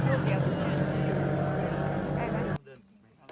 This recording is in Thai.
เมื่อเวลามีเวลาที่ไม่เห็น